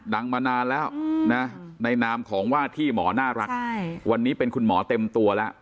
มานานแล้วนะในนามของว่าที่หมอน่ารักวันนี้เป็นคุณหมอเต็มตัวแล้ว